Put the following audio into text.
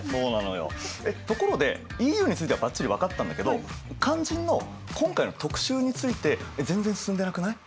ところでＥＵについてはばっちり分かったんだけど肝心の今回の特集について全然進んでなくない？